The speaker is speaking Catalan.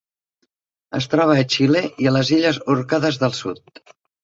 Es troba a Xile i les Illes Òrcades del Sud.